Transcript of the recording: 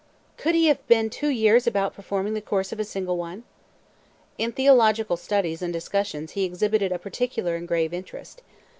Could he have been two years about performing the course of a single one?" In theological studies and discussions he exhibited a particular and grave interest.